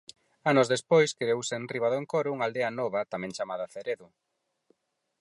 Anos despois creouse enriba do encoro unha aldea nova tamén chamada Aceredo.